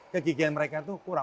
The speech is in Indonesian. kegigian mereka itu kurang